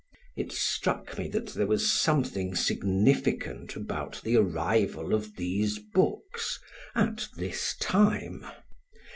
It struck me that there was something significant about the arrival of these books at this time.